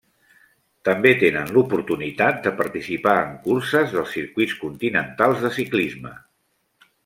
També tenen l'oportunitat de participar en curses dels circuits continentals de ciclisme.